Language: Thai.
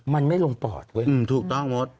มันไม่ลงปอดเว้ย